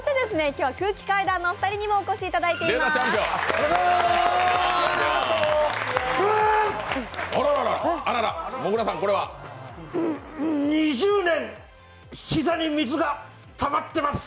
今日は空気階段のお二人にもお越しいただいております。